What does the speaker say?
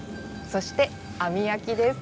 そして網焼きです。